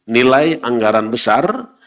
nilai anggaran besar